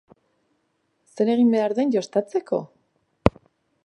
Zer egin behar den jostatzeko?